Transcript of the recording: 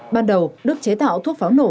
ban đầu đức chế tạo thuốc pháo nổ